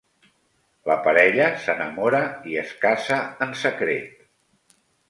La parella s'enamora i es casa en secret.